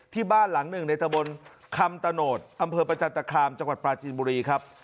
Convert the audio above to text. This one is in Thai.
ที่บ้านหลังหนึ่งในตะบนคำตะโนธอำเภอประจันตคามจังหวัดปลาจีนบุรีครับ